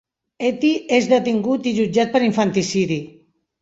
Hetty és detingut i jutjat per infanticidi.